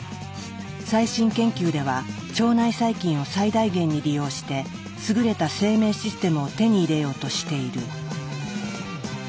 最新研究では腸内細菌を最大限に利用して優れた生命システムを手に入れようとしている。